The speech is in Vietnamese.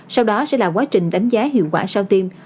sau đó sẽ là quá trình đánh giá hiệu quả sau tiêm